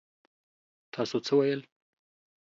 تاسو څه ويل؟